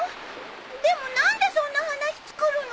でも何でそんな話作るの？